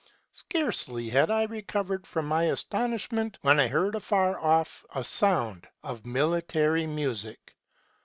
Scarcely had I recovered from my astonishment, when I heard afar off a sound of military music.